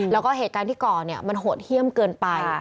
แล้วก็เหตุการณ์ที่ก่อมันโหดเยี่ยมเกินไป